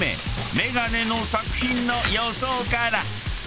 メガネの作品の予想から。